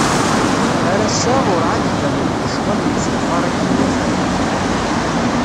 Ar ass-a, urεad i banen lecɣal n usenfar akken iwata.